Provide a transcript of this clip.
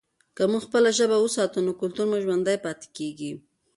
که موږ خپله ژبه وساتو نو کلتور مو ژوندی پاتې کېږي.